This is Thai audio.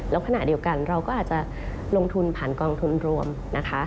แล้วขณะเดียวกันเราก็อาจจะลงทุนผ่านกองทุนรวมนะคะ